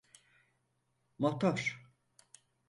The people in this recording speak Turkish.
Motor!